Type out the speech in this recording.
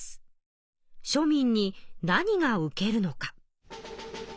庶民に何が受けるのか。